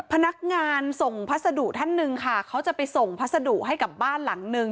พนักงานส่งพัสดุท่านหนึ่งค่ะเขาจะไปส่งพัสดุให้กับบ้านหลังนึง